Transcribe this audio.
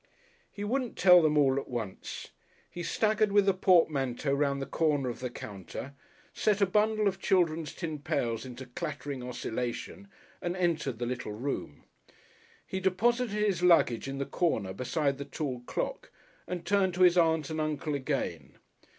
He wouldn't tell them all at once. He staggered with the portmanteau round the corner of the counter, set a bundle of children's tin pails into clattering oscillation, and entered the little room. He deposited his luggage in the corner beside the tall clock, and turned to his Aunt and Uncle again.